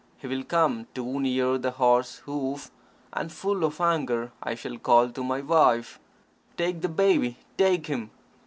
He will come too near the horse's hoof, and, full of anger, I shall call to my wife, 'Take the baby; take him!'